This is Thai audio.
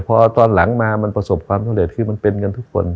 เพราะตอนหลังมามันประสบความทุเรศที่มันเป็นกันทุกคน